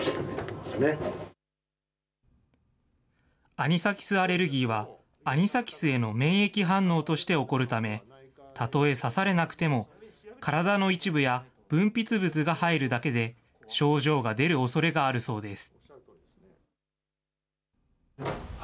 アニサキスアレルギーは、アニサキスへの免疫反応として起こるため、たとえ刺されなくても、体の一部や分泌物が入るだけで症状が出るおそれがあるそうです。